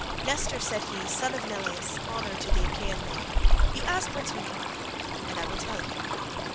"Nestor," said he, "son of Neleus, honour to the Achaean name, you ask whence we come, and I will tell you.